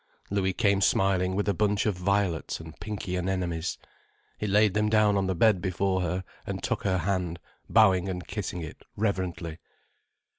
Louis came smiling with a bunch of violets and pinky anemones. He laid them down on the bed before her, and took her hand, bowing and kissing it reverently.